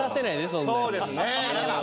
そうですね何か。